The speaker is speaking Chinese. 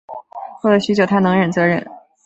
过了许久她能忍则忍